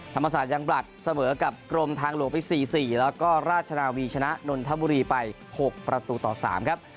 ธรรมศาสตร์ยังบลัดเสมอกับกรมทางหลวงไป๔๔แล้วก็ราชนาวีชนะนนทบุรีไป๖ประตูต่อ๓ครับ